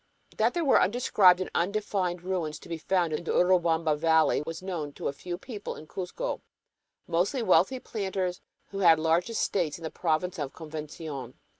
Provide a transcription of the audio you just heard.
That there were undescribed and unidentified ruins to be found in the Urubamba Valley was known to a few people in Cuzco, mostly wealthy planters who had large estates in the province of Convencion.